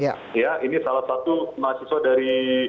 ya ini salah satu mahasiswa dari